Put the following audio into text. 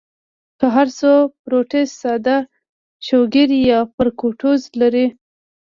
کۀ هر څو فروټس ساده شوګر يا فرکټوز لري